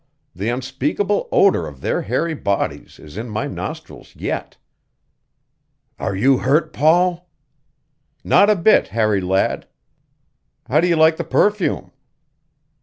The unspeakable odor of their hairy bodies is in my nostrils yet. "Are you hurt, Paul?" "Not a bit, Harry lad. How do you like the perfume?"